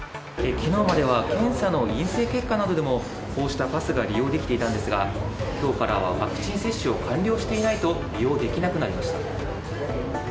きのうまでは検査の陰性結果などでも、こうしたパスが利用できていたんですが、きょうからはワクチン接種を完了していないと、利用できなくなりました。